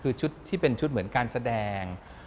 คือชุดที่เป็นชุดเหมือนการแสดง